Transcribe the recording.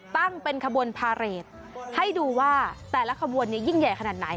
ตั้งเป็นขบวนพาเรทให้ดูว่าแต่ละขบวนเนี่ยยิ่งใหญ่ขนาดไหน